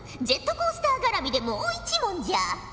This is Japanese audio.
ジェットコースターがらみでもう一問じゃ。